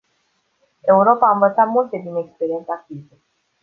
Europa a învățat multe din experiența crizei.